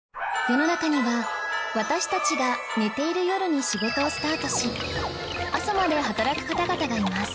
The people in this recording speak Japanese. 世の中には私たちが寝ている夜に仕事をスタートし朝まで働く方々がいます